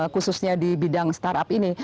khususnya di bidang startup ini